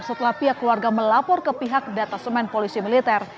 setelah pihak keluarga melapor ke pihak data semen polisi militer